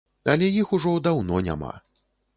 Але іх ужо даўно няма.